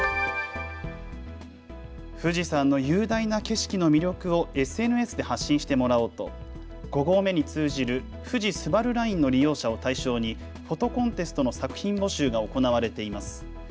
富士山の雄大な景色の魅力をＳＮＳで発信してもらおうと５合目に通じる富士スバルラインの利用者を対象にフォトコンテストの作品募集が行われています。